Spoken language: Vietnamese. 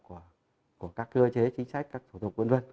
của các cơ chế chính sách các thủ tục v v